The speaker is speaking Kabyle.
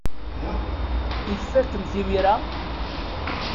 I tfakem-t imir-a?